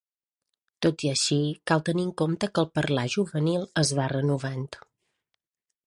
Tot i així, cal tenir en compte que el parlar juvenil es va renovant.